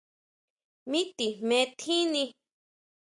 Mi te jme tjini.